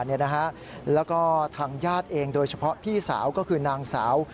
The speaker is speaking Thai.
แล้วก็ทางญาติเองโดยเฉพาะพี่สาวก็คือนางสาว